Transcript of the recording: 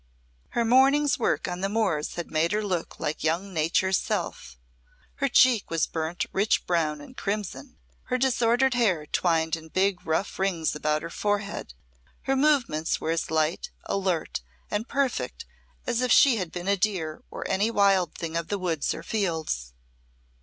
Her morning's work on the moors had made her look like young Nature's self, her cheek was burnt rich brown and crimson, her disordered hair twined in big rough rings about her forehead, her movements were as light, alert, and perfect as if she had been a deer or any wild thing of the woods or fields.